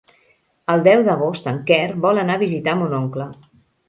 El deu d'agost en Quer vol anar a visitar mon oncle.